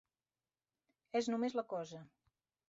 És només la cosa.